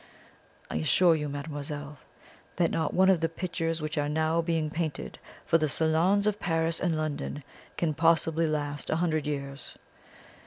"I assure you, mademoiselle, that not one of the pictures which are now being painted for the salons of Paris and London can possibly last a hundred years.